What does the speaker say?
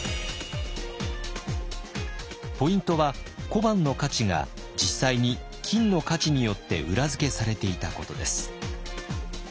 ポイントは小判の価値が実際に金の価値によって裏付けされていたことです。